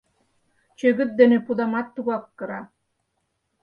Чӧгыт дене пудамат тугак кыра.